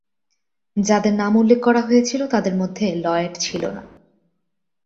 যাদের নাম উল্লেখ করা হয়েছিল তাদের মধ্যে লয়েড ছিল না।